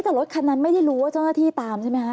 แต่รถคันนั้นไม่ได้รู้ว่าเจ้าหน้าที่ตามใช่ไหมคะ